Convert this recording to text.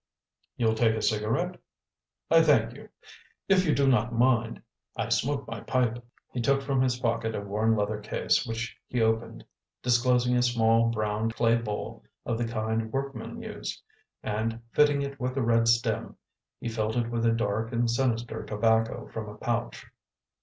"You'll take a cigarette?" "I thank you; if you do not mind, I smoke my pipe." He took from his pocket a worn leather case, which he opened, disclosing a small, browned clay bowl of the kind workmen use; and, fitting it with a red stem, he filled it with a dark and sinister tobacco from a pouch.